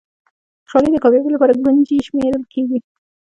خوشالي د کامیابۍ لپاره کونجي شمېرل کېږي.